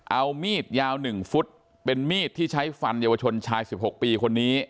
เอามีดยาว๑ฟุตเป็นมีดที่ใช้ฟันเยาวชนชาย๑๖ปีคนนี้